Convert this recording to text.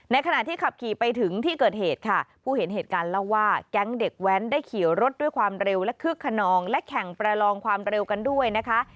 ขณะที่ขับขี่ไปถึงที่เกิดเหตุค่ะผู้เห็นเหตุการณ์เล่าว่าแก๊งเด็กแว้นได้ขี่รถด้วยความเร็วและคึกขนองและแข่งประลองความเร็วกันด้วยนะคะ